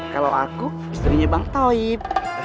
kalau aku istrinya bang toib